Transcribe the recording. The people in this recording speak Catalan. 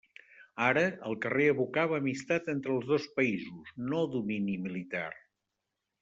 Ara, el carrer evocava amistat entre els dos països, no domini militar.